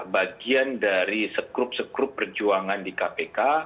bagian dari skrup skrup perjuangan di kpk